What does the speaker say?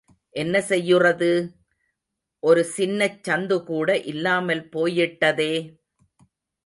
என்ன செய்யுறது... ஒரு சின்னச் சந்துகூட இல்லாமல் போயிட்டதே.